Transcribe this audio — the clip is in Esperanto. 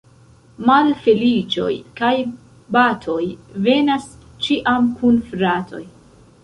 Malfeliĉoj kaj batoj venas ĉiam kun fratoj.